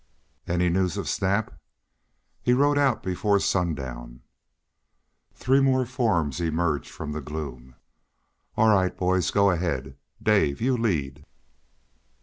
"Any news of Snap?" "He rode out before sundown." Three more forms emerged from the gloom. "All right, boys. Go ahead, Dave, you lead."